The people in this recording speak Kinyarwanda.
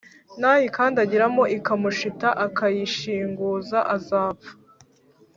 nayikandagiramo ikamushita akayishinguza, azapfa